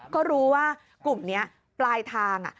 ก็รู้ว่ากลุ่มนี้ปลายทาง